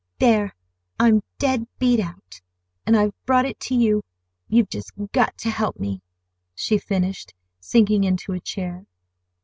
"There, I'm dead beat out, and I've brought it to you. You've just got to help me," she finished, sinking into a chair.